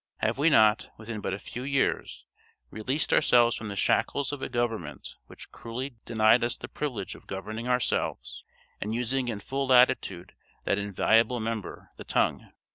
Have we not, within but a few years, released ourselves from the shackles of a government which cruelly denied us the privilege of governing ourselves, and using in full latitude that invaluable member, the tongue?